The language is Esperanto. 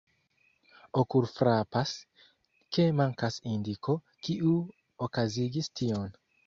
Okulfrapas, ke mankas indiko, kiu okazigis tion.